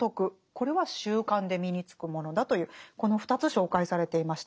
これは習慣で身につくものだというこの２つ紹介されていました。